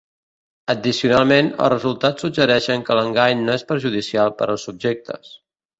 Addicionalment, els resultats suggereixen que l'engany no és perjudicial per als subjectes.